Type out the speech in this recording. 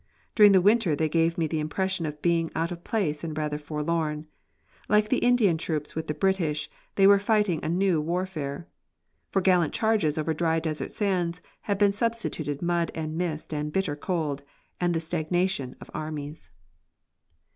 During the winter they gave me the impression of being out of place and rather forlorn. Like the Indian troops with the British, they were fighting a new warfare. For gallant charges over dry desert sands had been substituted mud and mist and bitter cold, and the stagnation of armies.